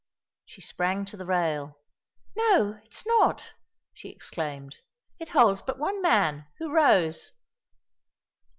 She sprang to the rail. "No, it is not," she exclaimed; "it holds but one man, who rows."